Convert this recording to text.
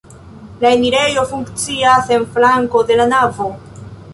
La enirejo funkcias en flanko de la navo.